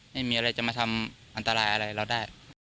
ไม่มีอะไรจะมาทำอันตรายอะไรเราได้